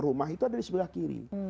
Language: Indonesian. rumah itu ada di sebelah kiri